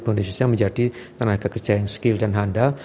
kondisinya menjadi tenaga kerja yang skill dan handal